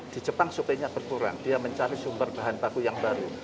di jepang suplainya berkurang dia mencari sumber bahan baku yang baru